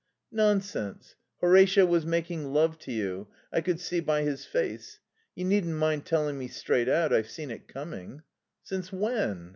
"Nonsense. Horatio was making love to you. I could see by his face.... You needn't mind telling me straight out I've seen it coming." "Since when?"